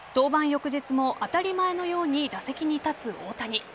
翌日も当たり前のように打席に立つ大谷。